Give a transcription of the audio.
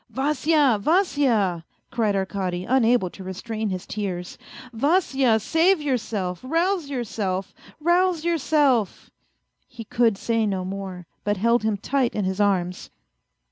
" Vasya, Vasya !" cried Arkady, unable to restrain his tears. " Vasya, save yourself, rouse yourself, rouse yourself !..." He could say no more, but held him tight in his arms.